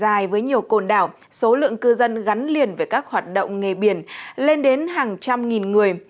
dài với nhiều cồn đảo số lượng cư dân gắn liền với các hoạt động nghề biển lên đến hàng trăm nghìn người